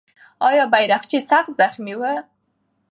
آیا بیرغچی سخت زخمي و؟